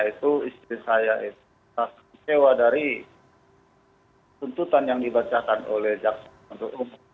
karena itu istri saya itu terkecewa dari tuntutan yang dibacakan oleh jpu